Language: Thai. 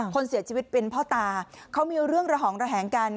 คนเสียชีวิตเป็นพ่อตาเขามีเรื่องระหองระแหงกัน